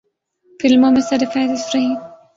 فلموں میں سرِ فہرست رہی۔